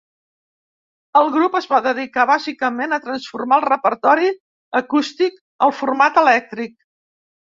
El grup es va dedicar bàsicament a transformar el repertori acústic al format elèctric.